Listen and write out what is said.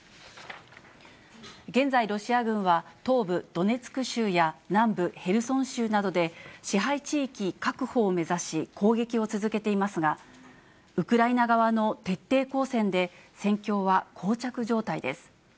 現在、ロシア軍は東部ドネツク州や南部ヘルソン州などで、支配地域確保を目指し攻撃を続けていますが、ウクライナ側の徹底抗戦で、戦況はこう着状態です。